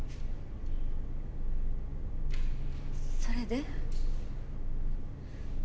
それで？